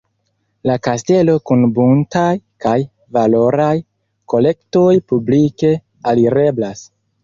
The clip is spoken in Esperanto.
La kastelo kun buntaj kaj valoraj kolektoj publike alireblas.